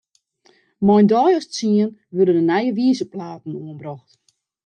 Mei in deis as tsien wurde de nije wizerplaten oanbrocht.